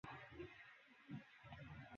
আমার নিজের কোন হানি হইবে বলিয়া ভয় করি না।